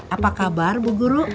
apa kabar bu guru